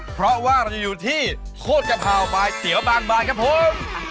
เพราะว่าเราจะอยู่ที่โคตรกะเพราควายเตี๋ยวบางบานครับผม